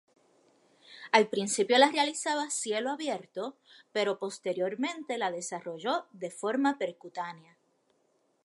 Al principio la realizaba a "cielo abierto", pero posteriormente la desarrolló de forma percutánea.